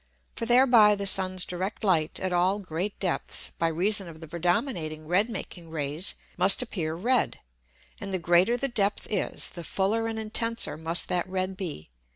For thereby the Sun's direct Light at all great Depths, by reason of the predominating red making Rays, must appear red; and the greater the Depth is, the fuller and intenser must that red be.